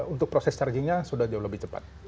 untuk proses chargingnya sudah jauh lebih cepat